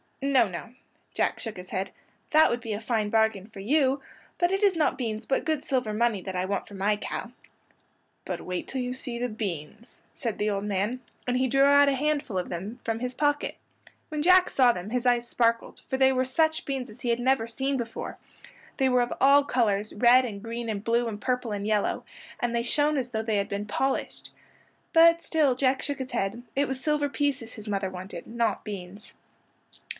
"No, no," Jack shook his head. "That would be a fine bargain for you; but it is not beans but good silver money that I want for my cow." "But wait till you see the beans," said the old man; and he drew out a handful of them from his pocket. When Jack saw them his eyes sparkled, for they were such beans as he had never seen before. They were of all colors, red and green and blue and purple and yellow, and they shone as though they had been polished. But still Jack shook his head. It was silver pieces his mother wanted, not beans.